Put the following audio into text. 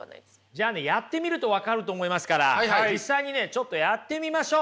じゃあねやってみると分かると思いますから実際にねちょっとやってみましょう。